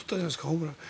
ホームランで。